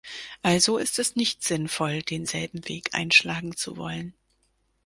Also ist es nicht sinnvoll, denselben Weg einschlagen zu wollen.